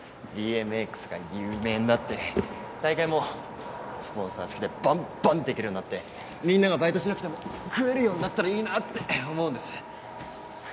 ＢＭＸが有名になって大会もスポンサー付きでばんばんできるようになってみんながバイトしなくても食えるようになったらいいなって思うんです。